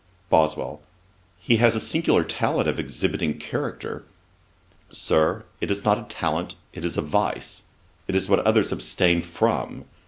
BOSWELL. 'He has a singular talent of exhibiting character.' JOHNSON. 'Sir, it is not a talent; it is a vice; it is what others abstain from.